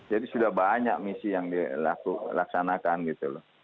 jadi sudah banyak misi yang dilaksanakan gitu loh